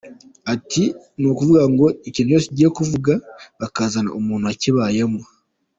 Ati “Ni ukuvuga ngo ikintu cyose kigiye kuvugwa bakazana umuntu wakibayemo.